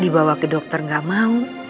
dibawa ke dokter gak mau